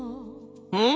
うん？